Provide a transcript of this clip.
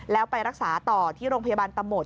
แล้วไปรักษาต่อที่โรงพยาบาลตำรวจ